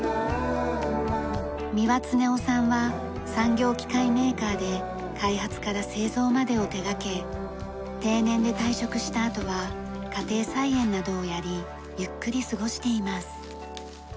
三輪恒雄さんは産業機械メーカーで開発から製造までを手掛け定年で退職したあとは家庭菜園などをやりゆっくり過ごしています。